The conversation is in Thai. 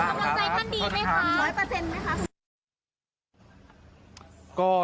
๑๐๐เปอรุมากครับ